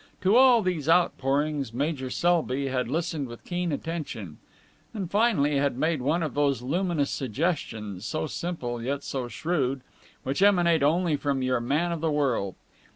To all these outpourings Major Selby had listened with keen attention, and finally had made one of those luminous suggestions, so simple yet so shrewd, which emanate only from your man of the world.